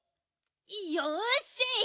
よし！